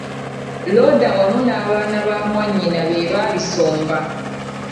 Looda wamu n'abaana ba mwanyina be baabisomba.